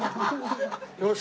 よし。